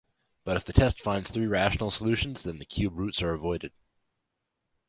But if the test finds three rational solutions, then the cube roots are avoided.